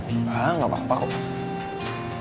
enggak enggak apa apa kok